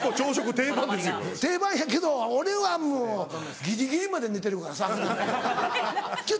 定番やけど俺はもうギリギリまで寝てるから下がらへん。